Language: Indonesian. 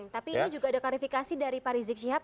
tapi ini juga ada klarifikasi dari pak rizik syihab